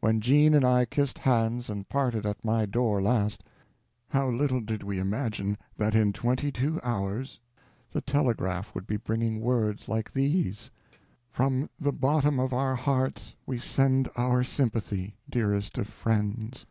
When Jean and I kissed hands and parted at my door last, how little did we imagine that in twenty two hours the telegraph would be bringing words like these: "From the bottom of our hearts we send our sympathy, dearest of friends."